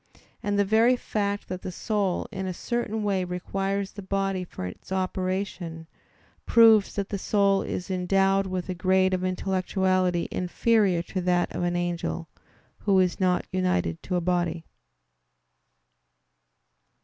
And the very fact that the soul in a certain way requires the body for its operation, proves that the soul is endowed with a grade of intellectuality inferior to that of an angel, who is not united to a body.